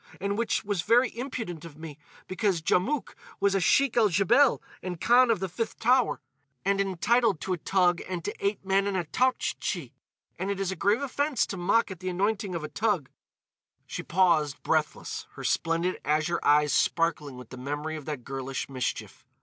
And which was very impudent of me, because Djamouk was a Sheik el Djebel and Khan of the Fifth Tower, and entitled to a toug and to eight men and a Toughtchi. And it is a grave offence to mock at the anointing of a toug." She paused, breathless, her splendid azure eyes sparkling with the memory of that girlish mischief.